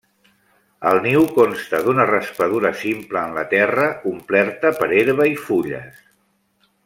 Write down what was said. El niu consta d'una raspadura simple en la terra, omplerta per herba i fulles.